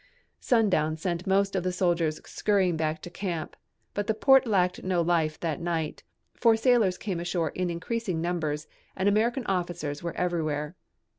Sundown sent most of the soldiers scurrying back to camp, but the port lacked no life that night, for sailors came ashore in increasing numbers and American officers were everywhere.